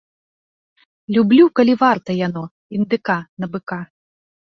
Люблю, калі варта яно, індыка на быка.